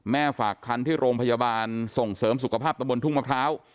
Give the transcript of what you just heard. ฝากคันที่โรงพยาบาลส่งเสริมสุขภาพตะบนทุ่งมะพร้าว